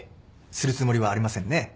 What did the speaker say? するつもりはありませんね。